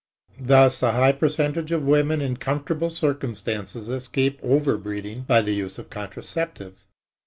Thus a high percentage of women in comfortable circumstances escape overbreeding by the use of contraceptives.